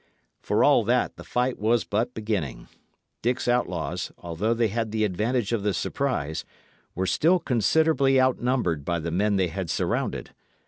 For all that, the fight was but beginning. Dick's outlaws, although they had the advantage of the surprise, were still considerably outnumbered by the men they had surrounded.